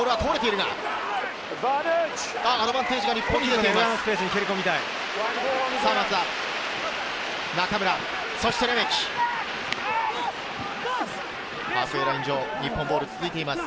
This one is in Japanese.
アドバンテージが日本に出ています。